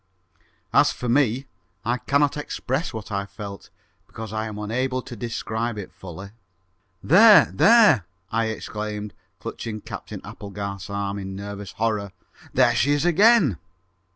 As for me, I cannot express what I felt, because I am unable to describe it fully. "There, there!" I exclaimed, clutching Captain Applegarth's arm in nervous horror. "There she is again!"